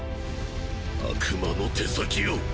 悪魔の手先よ。